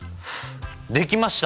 できました！